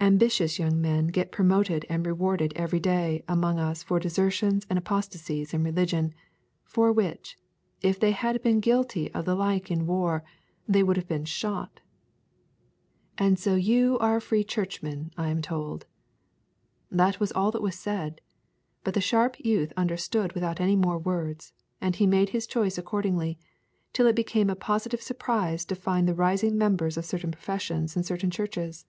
Ambitious young men get promotion and reward every day among us for desertions and apostasies in religion, for which, if they had been guilty of the like in war, they would have been shot. 'And so you are a Free Churchman, I am told.' That was all that was said. But the sharp youth understood without any more words, and he made his choice accordingly; till it is becoming a positive surprise to find the rising members of certain professions in certain churches.